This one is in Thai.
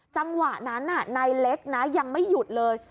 จังหวะนั้นนายเล็กนะยังไม่หยุดเลย